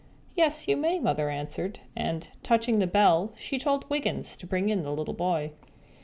"Yes, you may," Mother answered, and, touching the bell, she told Wiggins to bring in the little boy.